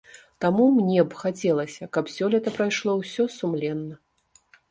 Таму мне б хацелася, каб сёлета прайшло ўсё сумленна.